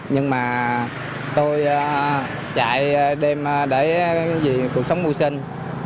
nhưng mà tôi chạy đêm để vì cuộc sống mưu sinh